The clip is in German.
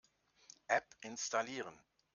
App installieren.